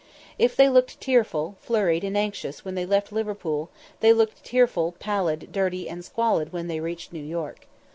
If they looked tearful, flurried, and anxious when they left Liverpool, they looked tearful, pallid, dirty, and squalid when they reached New York.